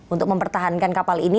untuk mempertahankan kapal ini